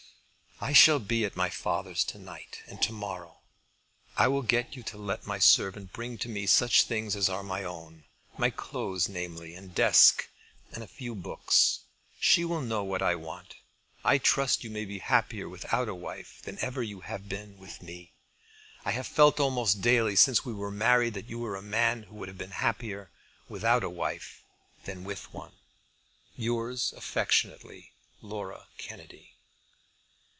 I shall be at my father's to night, and to morrow I will get you to let my servant bring to me such things as are my own, my clothes, namely, and desk, and a few books. She will know what I want. I trust you may be happier without a wife, than ever you have been with me. I have felt almost daily since we were married that you were a man who would have been happier without a wife than with one. Yours affectionately, LAURA KENNEDY.